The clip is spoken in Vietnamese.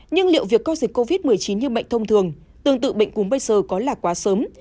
nhưng liệu việc coi dịch covid một mươi chín như bệnh thông thường tương tự bệnh cúm bây giờ có là quá sớm